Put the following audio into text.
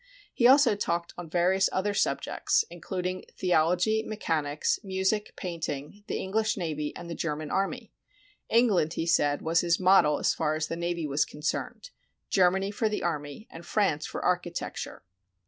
He also talked on various other subjects, including the ology, mechanics, music, painting, the Enghsh navy, and the German army. England, he said, was his model as far as the navy was concerned, Germany for the army, and France for architecture.